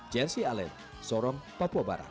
jersi alen sorong papua barat